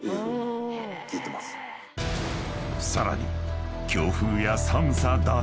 ［さらに］